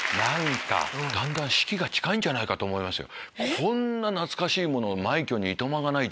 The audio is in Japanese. だんだん死期が近いんじゃないかと思いますよ。